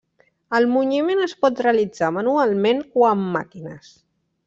El munyiment es pot realitzar manualment o amb màquines.